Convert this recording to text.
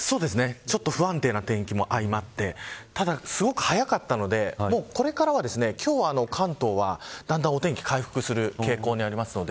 ちょっと不安定な天気も相まってただ、すごく早かったので今日、関東はだんだんお天気が回復する傾向にあります。